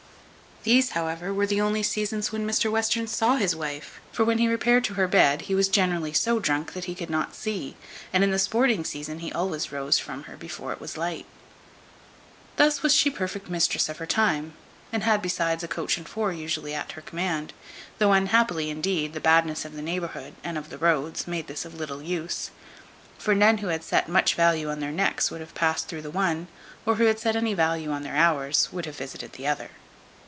These, however, were the only seasons when Mr Western saw his wife; for when he repaired to her bed, he was generally so drunk that he could not see; and in the sporting season he always rose from her before it was light. Thus was she perfect mistress of her time, and had besides a coach and four usually at her command; though unhappily, indeed, the badness of the neighbourhood, and of the roads, made this of little use; for none who had set much value on their necks would have passed through the one, or who had set any value on their hours, would have visited the other.